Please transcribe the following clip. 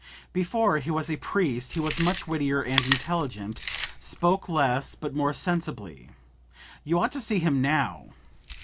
Before he was a priest he was much wittier and intelligent; spoke less but more sensibly. You ought to see him now!